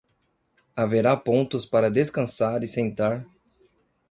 Haverá pontos para descansar e sentar